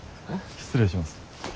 失礼します。